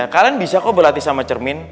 kalian bisa kok berlatih sama cermin